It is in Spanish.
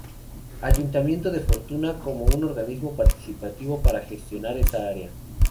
Ayuntamiento de Fortuna, como un organismo participativo para gestionar esa área.